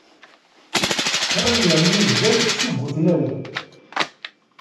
Sekṛen yernu bdan ssugguten awal.